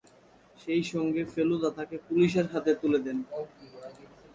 সেইসঙ্গে ফেলুদা তাকে পুলিশের হাতে তুলে দেন।